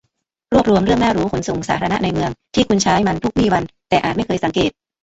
รวบรวมเรื่องน่ารู้ขนส่งสาธารณะในเมืองที่คุณใช้มันทุกวี่วัน แต่อาจไม่เคยสังเกต